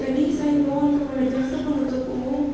jadi saya mohon kepada jasa penuntut umum